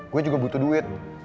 gue juga butuh duit